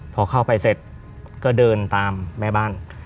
พอเข้าไปเสร็จก็เดินตามแม่บ้าน